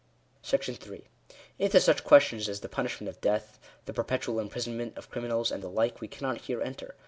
§8. Into such questions as the punishment of death, the per petual imprisonment of criminals, and the like, we cannot here enter.